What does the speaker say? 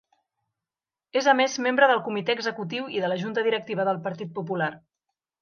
És a més, membre del Comitè Executiu i de la Junta Directiva del Partit Popular.